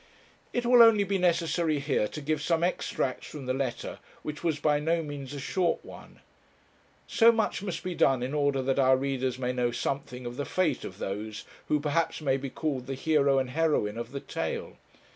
It will only be necessary here to give some extracts from the letter, which was by no means a short one. So much must be done in order that our readers may know something of the fate of those who perhaps may be called the hero and heroine of the tale.